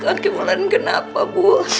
kaki bulan kenapa bu